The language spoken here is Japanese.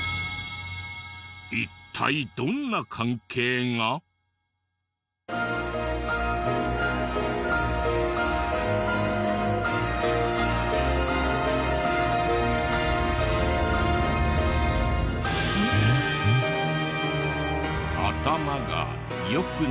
一体どんな関係が？えっ？